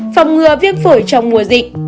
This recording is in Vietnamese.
phòng ngừa viêm phổi trong mùa dịch